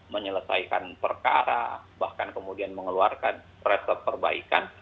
menyelesaikan perkara bahkan kemudian mengeluarkan resep perbaikan